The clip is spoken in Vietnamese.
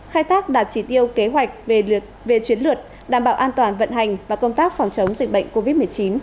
khai tác đạt chỉ tiêu kế hoạch về chuyến lượt đảm bảo an toàn vận hành và công tác phòng chống dịch bệnh covid một mươi chín